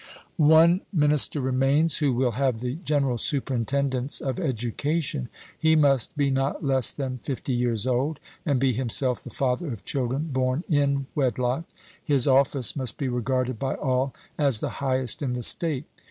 One minister remains, who will have the general superintendence of education. He must be not less than fifty years old, and be himself the father of children born in wedlock. His office must be regarded by all as the highest in the state.